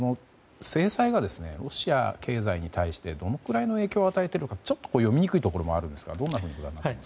制裁が、ロシア経済に対してどのくらいの影響を与えているかちょっと読みにくいところもありますがどうご覧になっていますか？